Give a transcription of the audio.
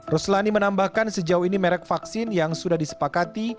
ruslani menambahkan sejauh ini merek vaksin yang sudah disepakati